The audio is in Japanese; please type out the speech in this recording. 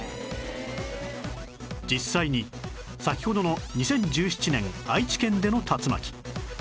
実際に先ほどの２０１７年愛知県での竜巻